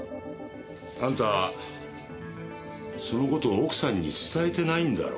あんたその事奥さんに伝えてないんだろ？